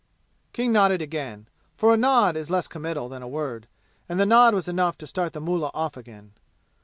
King nodded again, for a nod is less committal than a word; and the nod was enough to start the mullah off again.